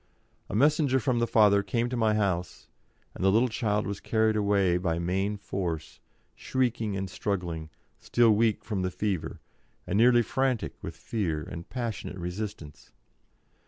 A messenger from the father came to my house, and the little child was carried away by main force, shrieking and struggling, still weak from the fever, and nearly frantic with fear and passionate resistance.